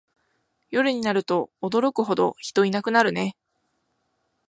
夜になると驚くほど人いなくなるね